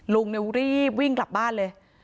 ลุงรีบวิ่งกลับบ้านเลย